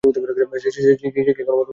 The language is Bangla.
সে কি এখনো মদ্যপান করে তোমাকে নির্যাতন করে?